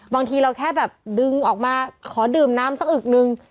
บางทีเราแค่แบบดึงออกมาขอดื่มน้ำสักอึกนึง